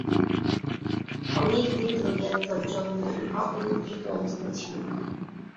অনেক দিন ধরিয়া তজ্জন্য উহা অনুদ্রিত অবস্থায় ছিল।